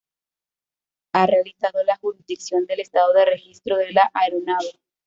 Ha realizado la jurisdicción del Estado de registro de la aeronave.